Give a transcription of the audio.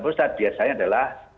prostat biasanya adalah